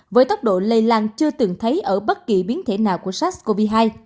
với tốc độ lây lan chưa từng thấy ở bất kỳ biến thể nào của sars cov hai